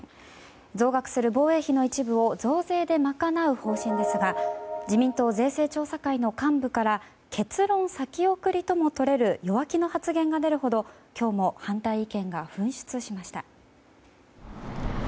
増額する防衛費の一部を増税で賄う方針ですが自民党税制調査会の幹部から結論先送りともとれる弱気な発言が出るほど今日も反対意見が噴出しました。